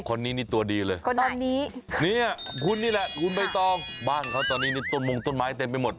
คนนี้นี่ตัวดีเลยคนนี้เนี่ยคุณนี่แหละคุณใบตองบ้านเขาตอนนี้นี่ต้นมงต้นไม้เต็มไปหมด